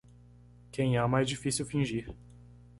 Quem ama é difícil fingir.